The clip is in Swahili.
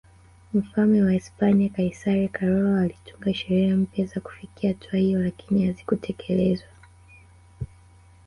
Mfalme wa Hispania Kaisari Karolo alitunga sheria mpya za kufikia hatua hiyo lakini hazikutekelezwa